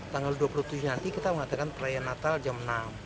tanggal dua puluh tujuh nanti kita mengatakan perayaan natal jam enam